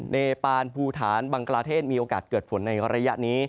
เนปานภูฐานบังกลาเทศมีโอกาสเกิดฝนในระยะนี้